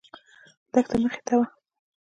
دښته مخې ته وه.